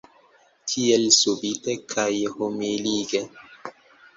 Tiel subite kaj humilige.